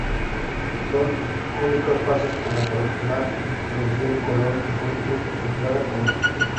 Sus únicos pasos como profesional los dio en Colón Fútbol Club y Plaza Colonia.